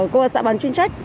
cơ quan xã bán chuyên trách